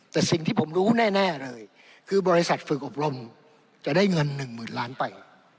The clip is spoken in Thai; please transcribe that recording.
แต่สิ่งที่ผมรู้แน่เลยคือบริษัทฝึกอบรมจะได้เงินหนึ่งหมื่นล้านไป